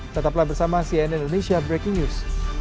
tetaplah bersama cnn indonesia breaking news